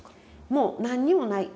もう何にもない。